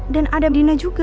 dan ada dina juga